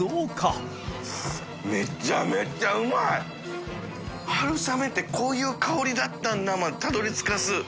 淵船礇鵝春雨ってこういう香りだったんだまでたどり着かす。